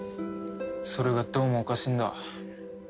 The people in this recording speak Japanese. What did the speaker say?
それがどうもおかしいんだ。